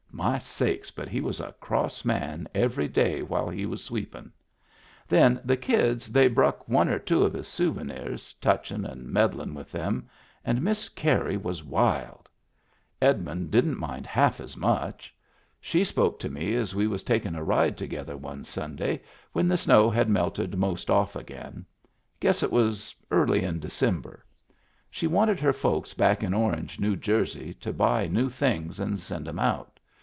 My sakes, but he was a cross man every day while he was sweepin'! Then the kids they bruck one or two of his souvenirs, touchin' and meddlin' with them, and Miss Carey was wild. Edmund didn't mind half as much. Digitized by Google ^56 MEMBERS OF THE FAMILY She Spoke to me as we was takin' a ride together one Sunday, when the snow had melted most off again. Guess it was eariy in December. She wanted her folks back in Orange, New Jersey, to buy new things and send *em out.